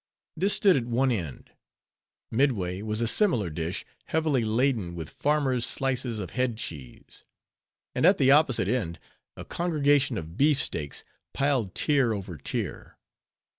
This stood at one end; midway was a similar dish, heavily laden with farmers' slices of head cheese; and at the opposite end, a congregation of beef steaks, piled tier over tier.